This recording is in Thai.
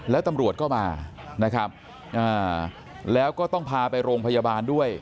แล้วตำรวจก็มานะครับแล้วก็ต้องพาไปโรงพยาบาลด้วย